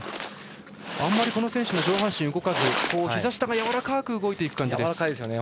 あまり、この選手も上半身が動かずひざ下がやわらかく動いている感じです。